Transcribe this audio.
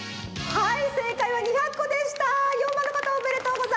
はい！